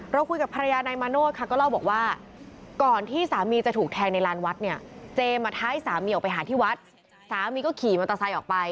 คุยกับภรรยานายมาโนธค่ะก็เล่าบอกว่าก่อนที่สามีจะถูกแทงในลานวัดเนี่ยเจมส์ท้ายสามีออกไปหาที่วัดสามีก็ขี่มอเตอร์ไซค์ออกไป